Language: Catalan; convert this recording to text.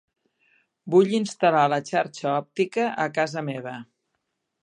Vull instal·lar la xarxa òptica a casa meva.